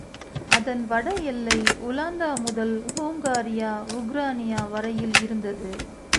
அதன் வடஎல்லை உலாந்தா முதல் ஹுங்காரியா உக்ரானியா வரையில் இருந்தது.